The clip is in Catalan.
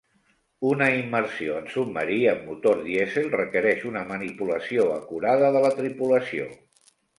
Una immersió en submarí amb motor dièsel requereix una manipulació acurada de la tripulació.